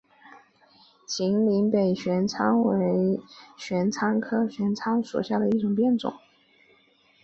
秦岭北玄参为玄参科玄参属下的一个变种。